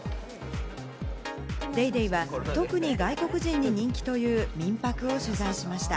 『ＤａｙＤａｙ．』は特に外国人に人気という民泊を取材しました。